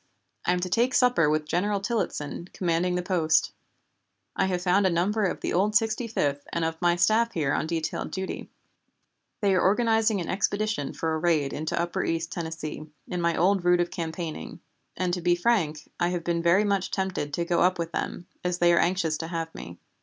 I am to take supper with General Tillottson, commanding the post. I have found a number of the old Sixty fifth and of my staff here on detailed duty. "They are organizing an expedition for a raid into upper East Tennessee, in my old route of campaigning, and, to be frank, I have been very much tempted to go up with them, as they are anxious to have me.